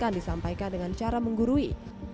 dan diajarkan pendidikan dengan cara menggurui